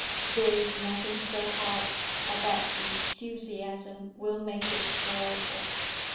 There is nothing so hard but that enthusiasm will make it tolerable.